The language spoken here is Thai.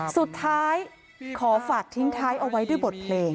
สุดท้ายขอฝากทิ้งท้ายเอาไว้ด้วยบทเพลง